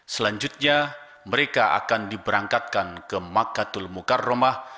selanjutnya mereka akan diberangkatkan ke makatul mukarromah